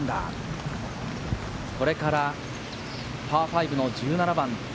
これからパー５の１７番。